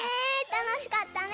たのしかったね。